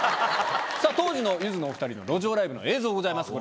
さぁ当時のゆずのお２人の路上ライブの映像ございます。